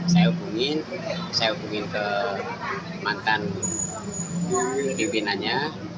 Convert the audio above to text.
saya hubungin ke mantan pimpinannya